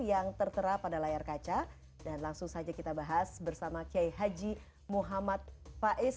yang tertera pada layar kaca dan langsung saja kita bahas bersama kiai haji muhammad faiz